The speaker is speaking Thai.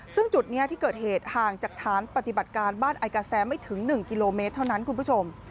ซึ่งจุดนี้ที่เกิดเหตุห่างจากฐานปฏิบัติการบ้านไอกาแซไม่ถึง๑กิโลเมตรเท่านั้นคุณผู้ชม